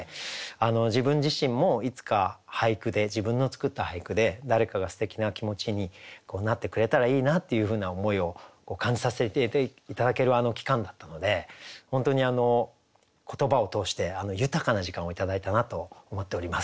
自分自身もいつか俳句で自分の作った俳句で誰かがすてきな気持ちになってくれたらいいなというふうな思いを感じさせて頂ける期間だったので本当に言葉を通して豊かな時間を頂いたなと思っております。